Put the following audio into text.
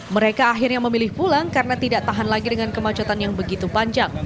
mereka akhirnya memilih pulang karena tidak tahan lagi dengan kemacetan yang begitu panjang